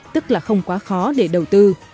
tức là không quá khó để đầu tư